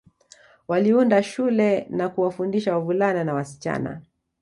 Waliunda shule na kuwafundisha wavulana na wasichana